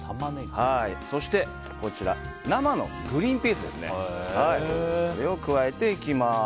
そして、生のグリーンピースこれを加えていきます。